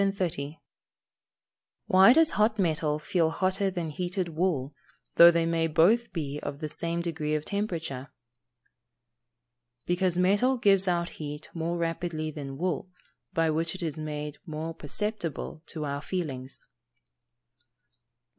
Why does hot metal feel hotter than heated wool, though they may both be of the same degree of temperature? Because metal gives out heat more rapidly than wool, by which it is made more perceptible to our feelings. 131.